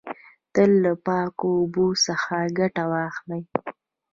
تل له پاکو اوبو څخه ګټه واخلی.